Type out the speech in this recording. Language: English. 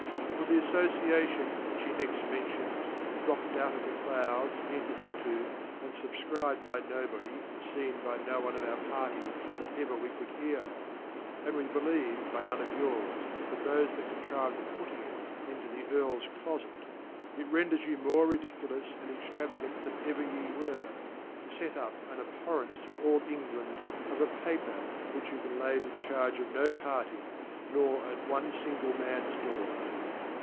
For the dffociation, which he next mentions, dropt out of the Clouds, entredhito, and fubfcribed by no body, and feen by no one of our Party that ever we could hear of, ( and we believe, ly none of yours, bat thofe that contrived the putting it into the Earls Clofet ) it renders you more ridiculous and extravagant than, ever ye were ; tofet up an Abhorrence through all Eng htid, of a Paper, which you can lay to the charge of ho Party > #or at one jingle mans door.